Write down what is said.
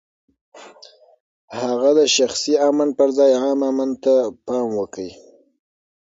هغه د شخصي امن پر ځای عام امن ته پام وکړ.